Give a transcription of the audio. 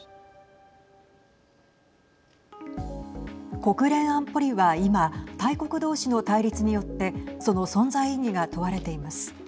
国連安保理は今大国同士の対立によってその存在意義が問われています。